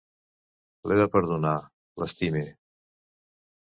L'he de perdonar, l'estime!